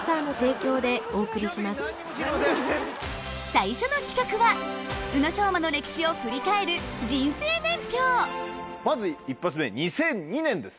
最初の企画は宇野昌磨の歴史を振り返る人生年表まず一発目２００２年です。